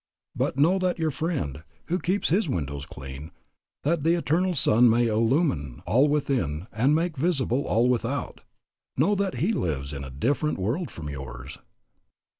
But know that your friend, who keeps his windows clean, that the Eternal Sun may illumine all within and make visible all without, know that he lives in a different world from yours.